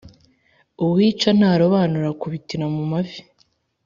uwica ntarobanura akubitira mu mavi